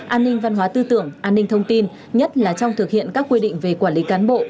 an ninh văn hóa tư tưởng an ninh thông tin nhất là trong thực hiện các quy định về quản lý cán bộ